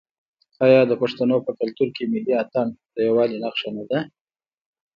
آیا د پښتنو په کلتور کې ملي اتن د یووالي نښه نه ده؟